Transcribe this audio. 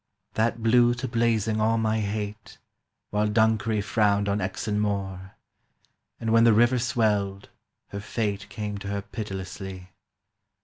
That blew to blazing all my hate, While Dunkery frowned on Exon Moor, And when the river swelled, her fate Came to her pitilessly